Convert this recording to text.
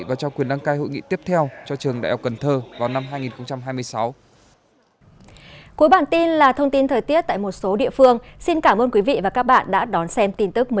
và trao quyền đăng cai hội nghị tiếp theo cho trường đại học cần thơ vào năm hai nghìn hai mươi sáu